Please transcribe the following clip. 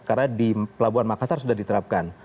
karena di pelabuhan makassar sudah diterapkan